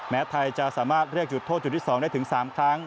แม้ไทยจะสามารถเรียกจุดโทษจุดที่๒ได้ถึง๓ครั้ง